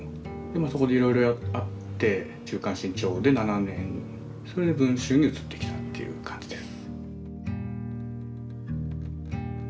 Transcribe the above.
そこでいろいろあって「週刊新潮」で７年それで「文春」に移ってきたっていう感じです。